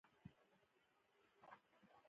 ماريا عسکري دريشي واخيسته.